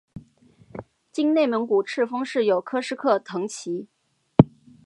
今内蒙古赤峰市有克什克腾旗。